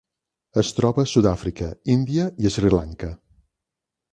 Es troba a Sud-àfrica, Índia i Sri Lanka.